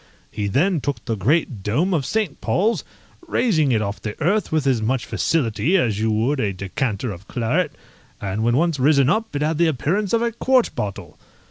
He then took the great dome of St. Paul's, raising it off the earth with as much facility as you would a decanter of claret. And when once risen up it had the appearance of a quart bottle.